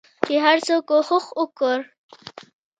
چې هرڅه کوښښ وکړ